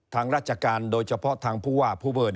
ทางราชการโดยเฉพาะทางผู้ว่าผู้เปิด